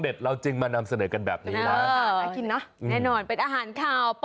อร่อยแล้วชิ้นเล็ก